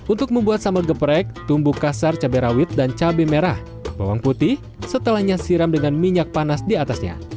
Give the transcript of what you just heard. untuk membuat sambal geprek tumbuk kasar cabai rawit dan cabai merah bawang putih setelahnya siram dengan minyak panas di atasnya